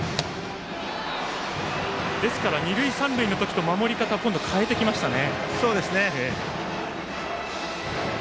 ですから、二塁三塁の時と守り方を変えてきましたね。